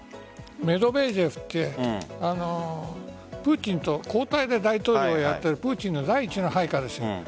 メドベージェフってプーチンと交代で大統領をやっているプーチンの第一の配下です。